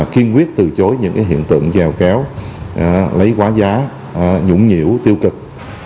kiên quyết từ chối những hiện tượng gieo kéo lấy quá giá nhũng nhiễu tiêu cực